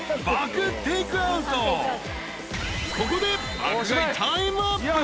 ［ここで爆買いタイムアップ。